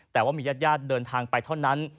แต่ว่ามีร่าดเดินทางไปเท่านั้น